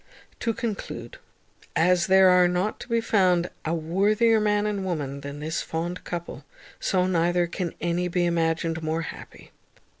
To conclude, as there are not to be found a worthier man and woman, than this fond couple, so neither can any be imagined more happy.